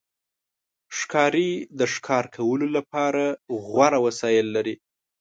ښکاري د ښکار کولو لپاره غوره وسایل لري.